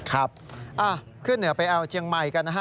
ครับขึ้นเหนือไปแอวเจียงใหม่กันนะฮะ